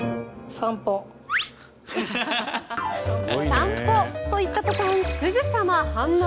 散歩と言った途端すぐさま反応。